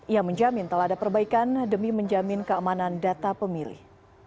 ia menjamin telah ada perbaikan demi menjamin keamanan data pemilih